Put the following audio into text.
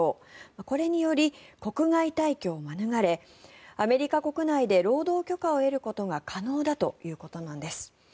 これにより国外退去を免れアメリカ国内で労働許可を得ることが可能だということなんです。